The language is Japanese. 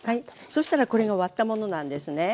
そしたらこれが割ったものなんですね。